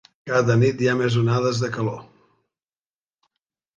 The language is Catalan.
Cada nit hi ha més onades de calor.